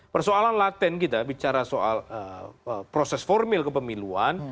persoalan laten kita bicara soal proses formil kepemiluan